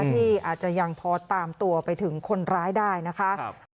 ที่อาจจะยังพอตามตัวไปถึงคนร้ายได้นะคะ